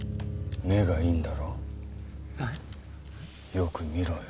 よく見ろよ。